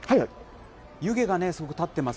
湯気がすごく立ってます